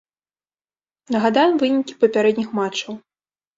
Нагадаем вынікі папярэдніх матчаў.